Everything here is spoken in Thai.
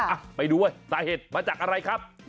อ่ะไปดูว่าสาเหตุมาจากอะไรครับ